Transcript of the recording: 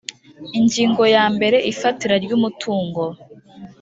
ingingo ya mbere ifatira ry umutungo